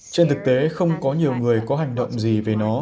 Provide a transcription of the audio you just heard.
trên thực tế không có nhiều người có hành động gì về nó